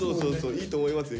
いいと思いますよ。